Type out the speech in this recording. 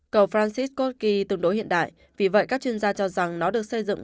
cầu francis corky tương đối hiện đại vì vậy các chuyên gia cho rằng nó được xây dựng